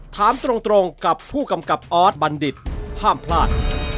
ถามตรงกับผู้กำกับออสบัณฑิตห้ามพลาด